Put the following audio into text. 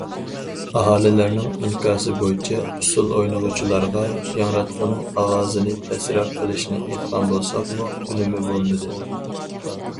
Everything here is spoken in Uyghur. ئاھالىلەرنىڭ ئىنكاسى بويىچە ئۇسسۇل ئوينىغۇچىلارغا ياڭراتقۇنىڭ ئاۋازىنى پەسرەك قىلىشنى ئېيتقان بولساقمۇ ئۈنۈمى بولمىدى.